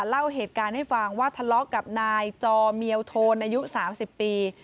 เล่าเหตุการณ์ให้ฟังว่าทะเลาะกับนายจอเมียวโทนอายุ๓๐ปี